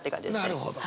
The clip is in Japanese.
なるほど。